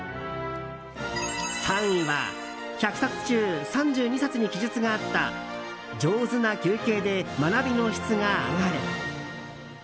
３位は１００冊中３２冊に記述があった上手な休憩で学びの質が上がる。